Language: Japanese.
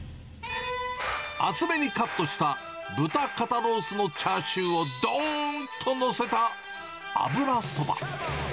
厚めにカットした豚肩ロースのチャーシューをどーんと載せたあぶらそば。